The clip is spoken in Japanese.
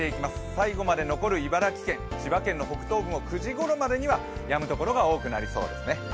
最後まで残る茨城県、千葉県の北東部も９時ごろまでにはやむところが多くなりそうですね。